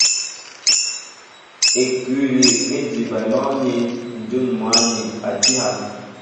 Ekûli é diba mɔ́ nín ǹjún mwǎ ni tí hân.